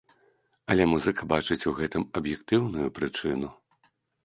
Але музыка бачыць у гэтым аб'ектыўную прычыну.